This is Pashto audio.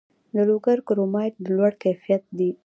د لوګر کرومایټ د لوړ کیفیت دی